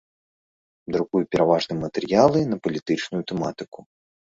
Друкуе пераважна матэрыялы на палітычную тэматыку.